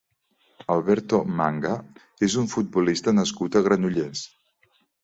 Alberto Manga és un futbolista nascut a Granollers.